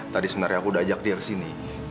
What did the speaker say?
tadi sebenarnya aku udah ajak dia kesini